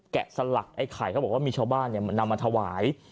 แกะสลักไอ้ไข่เค้าบอกว่ามีชาวบ้านเนี่ยนำมาถวาย